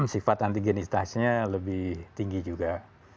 sifat antigenitasnya lebih tinggi juga